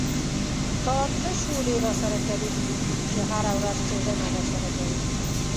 تا څه شولې را سره کرلې دي چې هره ورځ څېړنه را سره کوې.